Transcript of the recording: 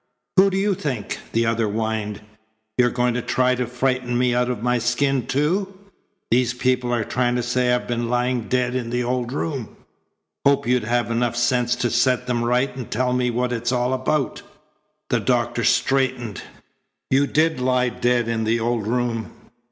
"Who do you think?" the other whined. "You going to try to frighten me out of my skin, too? These people are trying to say I've been lying dead in the old room. Hoped you'd have enough sense to set them right and tell me what it's all about." The doctor straightened. "You did lie dead in the old room."